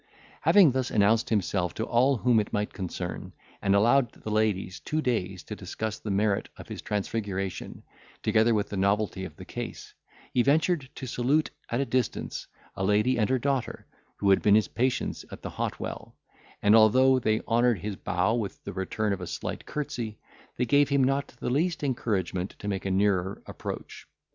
Having thus announced himself to all whom it might concern, and allowed the ladies two days to discuss the merit of his transfiguration, together with the novelty of the case, he ventured to salute, at a distance, a lady and her daughter, who had been his patients at the hot well; and, although they honoured his bow with the return of a slight curtsey, they gave him not the least encouragement to make a nearer approach.